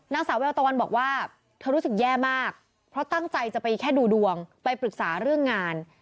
นางสาวแววตะวันบอกว่าเธอรู้สึกแย่มากเพราะตั้งใจจะไปแค่ดูดวงไปปรึกษาเรื่องงาน